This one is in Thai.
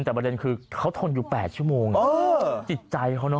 แต่ประเด็นคือเขาทนอยู่๘ชั่วโมงจิตใจเขาเนอ